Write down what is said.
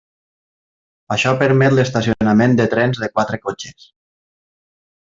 Això permet l'estacionament de trens de quatre cotxes.